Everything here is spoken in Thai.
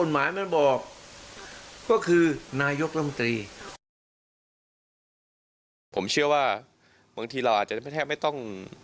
ผมเชื่อว่าบางทีเราอาจเป็นแทบไม่ต้อง